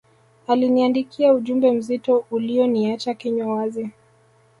aliniandikia ujumbe mzito uliyoniacha kinywa wazi